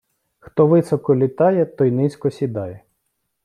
Хто високо літає, той низько сідає.